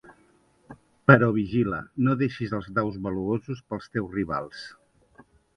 Però vigila, no deixis els daus valuosos per als teus rivals!